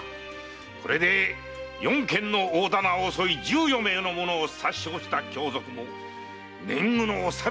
これで四軒の大店を襲い十余名の者を殺傷した凶賊も年貢の納めどきだ。